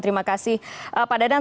terima kasih pak dadan